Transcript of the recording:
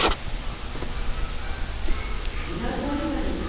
色とりどり！